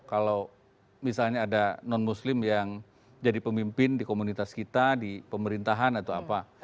kalau misalnya ada non muslim yang jadi pemimpin di komunitas kita di pemerintahan atau apa